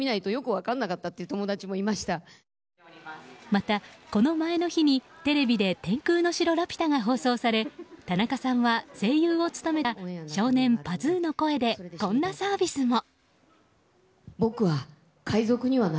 また、この前の日にテレビで「天空の城ラピュタ」が放送され田中さんは声優を務めた少年パズーの声でこんなサービスも。